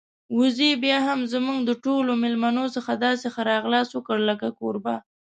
وزې بيا هم زموږ د ټولو میلمنو څخه داسې ښه راغلاست وکړ لکه کوربه.